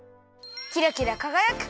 キラキラかがやく！